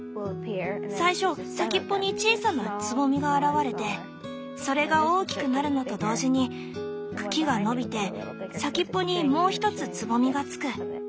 最初先っぽに小さな蕾が現れてそれが大きくなるのと同時に茎が伸びて先っぽにもう一つ蕾がつく。